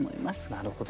なるほど。